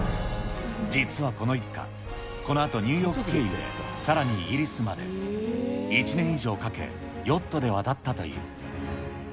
実はこの一家、このあとニューヨーク経由でさらにイギリスまで、１年以上かけ、ヨットで渡ったという。